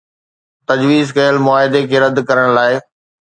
تجويز ڪيل معاهدي کي رد ڪرڻ لاء